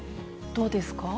どうですか？